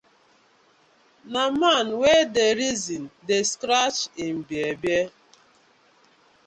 Na man wey dey reason dey scratch im bear-bear.